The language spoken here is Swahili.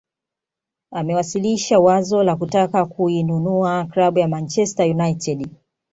Amewasilisha wazo la kutaka kuinunua klabu ya Manchester United